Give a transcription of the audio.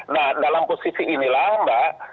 nah dalam posisi inilah mbak